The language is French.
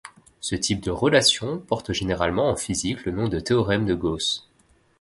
Ce type de relation porte généralement en physique le nom de théorème de Gauss.